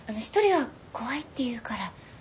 一人は怖いって言うから。